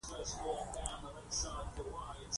دوی یو رقابتي چاپېریال رامنځته کړی و